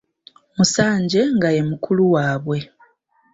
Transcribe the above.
Musanje nga ye mukulu waabwe.